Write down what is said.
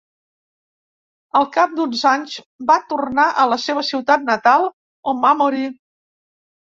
Al cap d'uns anys va tornar a la seva ciutat natal, on va morir.